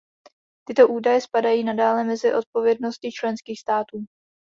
Tyto údaje spadají nadále mezi odpovědnosti členských států.